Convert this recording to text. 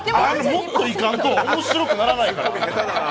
もっといかんと面白くならないから。